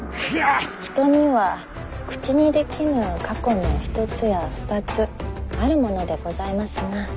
人には口にできぬ過去の１つや２つあるものでございますな。